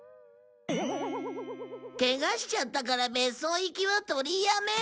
ケガしちゃったから別荘行きは取りやめ。